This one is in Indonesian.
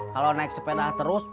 kalau naik sepeda terus